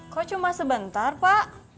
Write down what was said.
kok cuma sebentar pak